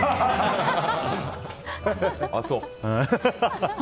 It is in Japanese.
ああ、そう。